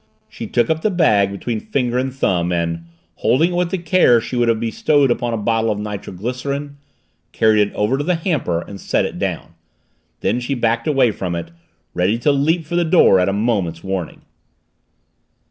She took up the bag between finger and thumb and, holding it with the care she would have bestowed upon a bottle of nitroglycerin, carried it over to the hamper and set it down. Then she backed away from it, ready to leap for the door at a moment's warning.